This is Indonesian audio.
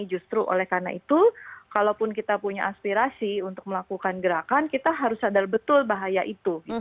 justru oleh karena itu kalaupun kita punya aspirasi untuk melakukan gerakan kita harus sadar betul bahaya itu